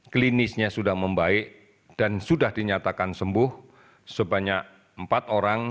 klinisnya sudah membaik dan sudah dinyatakan sembuh sebanyak empat orang